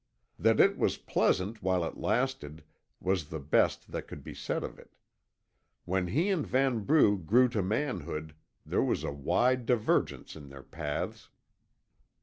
That it was pleasant while it lasted was the best that could be said of it. When he and Vanbrugh grew to manhood there was a wide divergence in their paths.